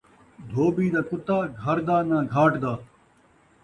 دھوٻی دا کتا ، گھر دا ناں گھاٹ دا